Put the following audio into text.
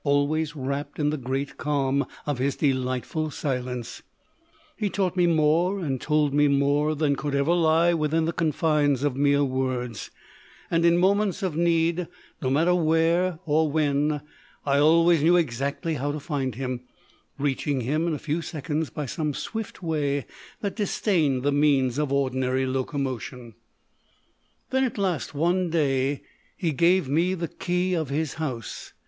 Always wrapped in the great calm of his delightful silence, he taught me more, and told me more, than could ever lie within the con* fines of mere words ; and in moments of need, no matter when or where, I always knew exactly how to find him, reaching him in a few seconds by some swift way that disdained the means of ordinary locomotion. Then at last one day he gave me the key of his house.